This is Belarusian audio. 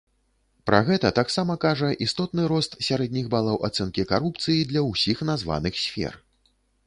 Пра гэта таксама кажа істотны рост сярэдніх балаў ацэнкі карупцыі для ўсіх названых сфер.